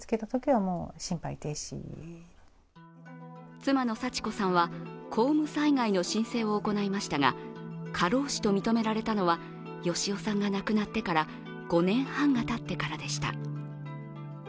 妻の祥子さんは公務災害の申請を行いましたが過労死と認められたのは義男さんが亡くなってから５年半がたってからでした。